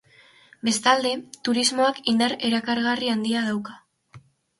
Bestalde, turismoak indar erakargarri handia dauka.